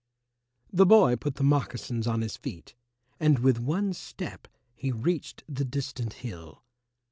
The boy put the moccasins on his feet, and with one step he reached the distant hill.